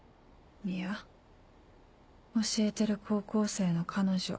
いや教えてる高校生の彼女。